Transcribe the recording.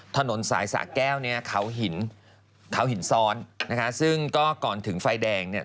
ถนนสายสะแก้วเนี่ยเขาหินเขาหินซ้อนนะคะซึ่งก็ก่อนถึงไฟแดงเนี่ย